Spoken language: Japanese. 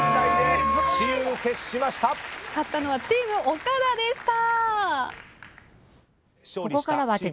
勝ったのはチーム岡田でした。